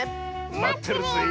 まってるぜえ。